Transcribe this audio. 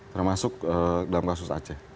termasuk dalam kasus aceh